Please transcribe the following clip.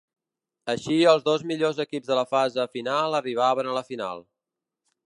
Així els dos millors equips de la fase final arribaven a la final.